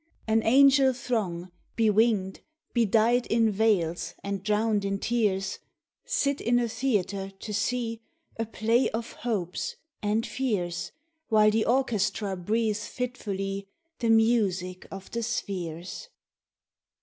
An angel throng, bewinged, bedightIn veils, and drowned in tears, Sit in a theatre, to seeA play of hopes and fears, While the orchestra breathes fitfullyThe music of the spheres.